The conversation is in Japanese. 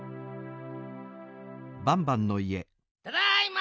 ただいま！